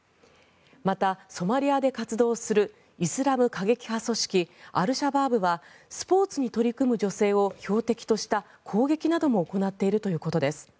また、ソマリアで活動するイスラム過激派組織アル・シャバーブはスポーツに取り組む女性を標的とした攻撃なども行っているということです。